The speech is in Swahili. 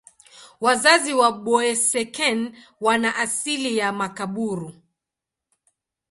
Wazazi wa Boeseken wana asili ya Makaburu.